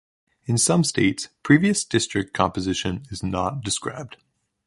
In some states, previous district composition is not described.